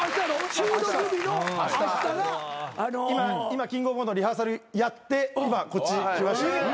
今キングオブコントのリハーサルやって今こっち来ました。